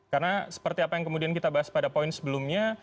karena seperti apa yang kemudian kita bahas pada poin sebelumnya